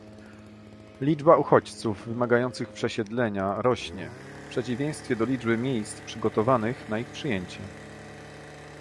Liczba uchodźców wymagających przesiedlenia rośnie, w przeciwieństwie do liczby miejsc przygotowanych na ich przyjęcie